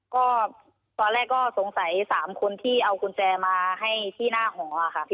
ก็ตอนแรกก็สงสัย๓คนที่เอากุญแจมาให้ที่หน้าหอค่ะพี่